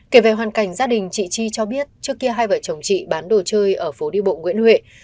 kể về hoàn cảnh gia đình chị chi cho biết trước kia hai vợ chồng chị bán đồ chơi ở phố đi bộ nguyễn huệ